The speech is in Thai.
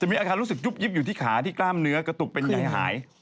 มีอาการรู้สึกยุบยิบอยู่ที่ขาที่กล้ามเนื้อกระตุกเป็นใยหาย